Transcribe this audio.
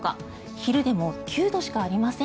昼でも９度しかありません。